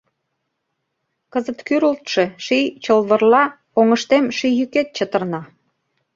Кызыт кӱрылтшӧ ший чылвырла Оҥыштем ший йӱкет чытырна.